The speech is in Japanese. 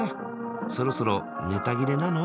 そろそろネタ切れなの？